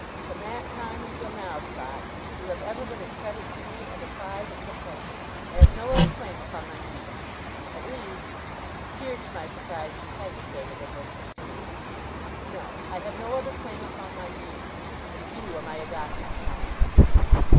From that time until now, Trot, you have ever been a credit to me and a pride and a pleasure. I have no other claim upon my means; at least' here to my surprise she hesitated, and was confused 'no, I have no other claim upon my means and you are my adopted child.